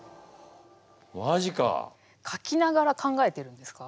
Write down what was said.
書きながら考えてるんですか？